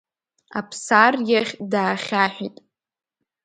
Аԥсар иахь даахьаҳәит.